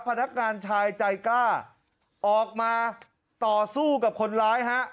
พนักงานชายใจกล้าออกมาต่อสู้กับคนร้ายฮะ